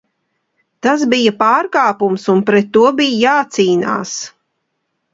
Tas bija pārkāpums un pret to bija jācīnās.